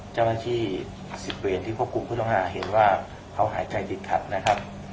เจ้าหน้าที่อัด๑๐เวรที่ควบคุมผู้ต้องหาเห็นว่าเขาหายใจติดขัดนะครับ